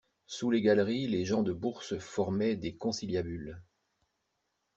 Sous les galeries, les gens de Bourse formaient des conciliabules.